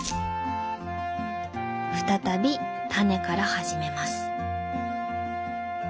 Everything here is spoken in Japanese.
再びタネから始めます。